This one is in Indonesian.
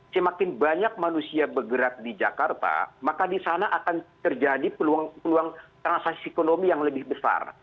semakin banyak manusia bergerak di jakarta maka di sana akan terjadi peluang transaksi ekonomi yang lebih besar